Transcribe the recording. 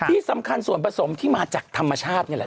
ที่สำคัญส่วนผสมที่มาจากธรรมชาตินี่แหละ